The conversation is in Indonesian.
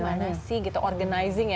mana sih gitu organizing ya